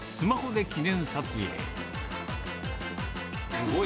すごい。